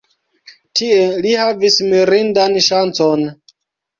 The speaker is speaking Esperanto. Tie li havis mirindan ŝancon.